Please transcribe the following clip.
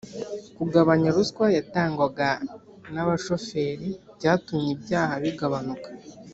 kugabanya ruswa yatangwaga na bashoferi byatumye ibyaha bigabanuka